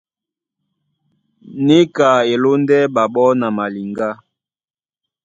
Níka e lóndɛ́ ɓaɓɔ́ na maliŋgá.